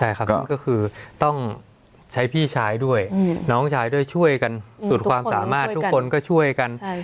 ใช่ครับก็คือต้องใช้พี่ชายด้วยน้องชายด้วยช่วยกันสุดความสามารถทุกคนก็ช่วยกัน